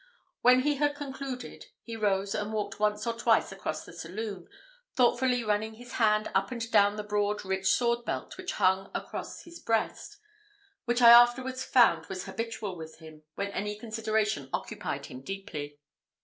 When he had concluded, he rose and walked once or twice across the saloon, thoughtfully running his hand up and down the broad rich sword belt which hung across his breast, which I afterwards found was habitual with him, when any consideration occupied him deeply.